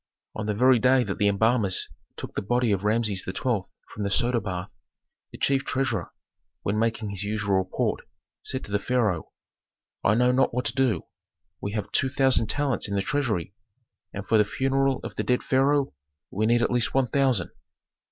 On the very day that the embalmers took the body of Rameses XII. from the soda bath, the chief treasurer, when making his usual report, said to the pharaoh, "I know not what to do. We have two thousand talents in the treasury, and for the funeral of the dead pharaoh we need at least one thousand."